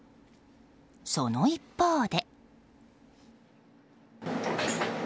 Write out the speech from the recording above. その一方で。